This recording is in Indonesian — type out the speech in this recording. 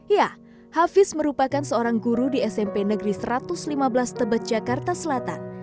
ya hafiz merupakan seorang guru di smp negeri satu ratus lima belas tebet jakarta selatan